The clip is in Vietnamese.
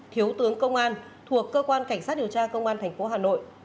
thiếu tướng công an thuộc cơ quan cảnh sát điều tra công an tp hà nội